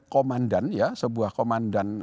komandan ya sebuah komandan